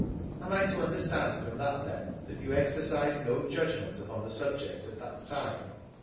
Am I to understand from that then that you exercised no judgment upon the subject at that time?